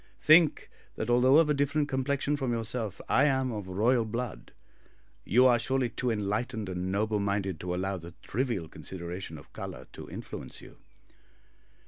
Think, that although of a different complexion from yourself, I am of royal blood. You are surely too enlightened and noble minded to allow the trivial consideration of colour to influence you."